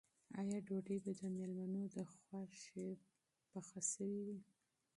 آیا ډوډۍ به د مېلمنو د خوښې مطابق پخه شوې وي؟